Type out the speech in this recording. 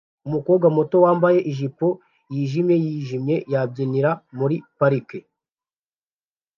Umukobwa muto wambaye ijipo yijimye yijimye yabyinira muri parike